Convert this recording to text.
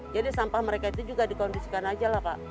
jadi sampah mereka itu juga dikondisikan aja lah kak